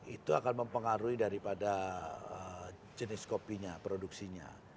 itu akan mempengaruhi daripada jenis kopinya produksinya